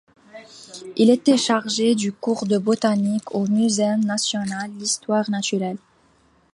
Il était chargé du cours de botanique au Muséum national d'histoire naturelle.